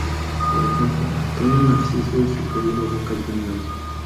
Por ejemplo Antonio Narciso y su querido Boca Juniors.